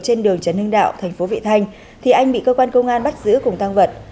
trên đường trần hưng đạo thành phố vị thanh thì anh bị cơ quan công an bắt giữ cùng tăng vật